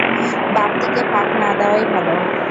বাম দিকে পাক না দেয়াই ভালো।